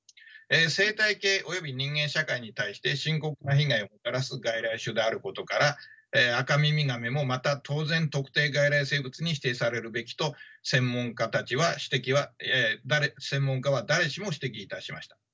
生態系および人間社会に対して深刻な被害をもたらす外来種であることからアカミミガメもまた当然特定外来生物に指定されるべきと専門家は誰しもが指摘いたしました。